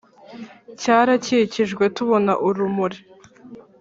cyarakijijwe tubona urumuri